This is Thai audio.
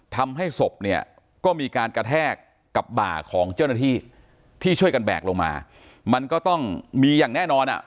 ทำให้ศพเนี่ยก็มีการกระแทกกับบ่าของเจ้าหน้าที่ที่ช่วยกันแบกลงมามันก็ต้องมีอย่างแน่นอนอ่ะ